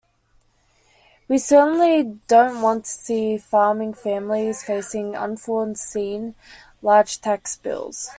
We certainly don't want to see farming families facing unforeseen large tax bills.